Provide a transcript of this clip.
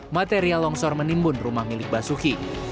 material longsor menimbun rumah milik basuki